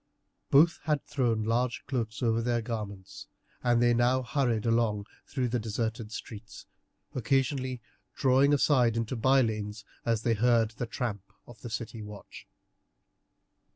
Both had thrown large dark cloaks over their garments, and they now hurried along through the deserted streets, occasionally drawing aside into bylanes as they heard the tramp of the city watch.